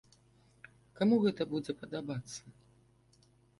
Каму гэта будзе падабацца?